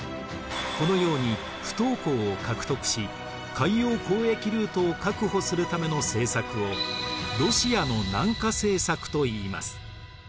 このように不凍港を獲得し海洋交易ルートを確保するための政策をロシアの南下政策といいます。